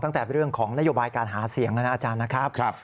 ตั้งแต่เรื่องของนโยบายการหาเสียงแล้วนะอาจารย์นะครับ